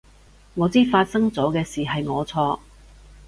我知發生咗嘅事係我錯